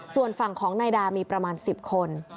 ส่วนฝั่งของนายดามีประมาณ๑๐คน